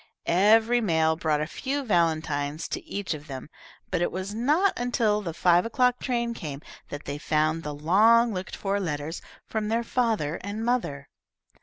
Every mail brought a few valentines to each of them, but it was not until the five o'clock train came that they found the long looked for letters from their father and mother.